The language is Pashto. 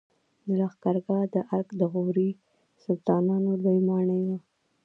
د لښکرګاه د ارک د غوري سلطانانو لوی ماڼۍ وه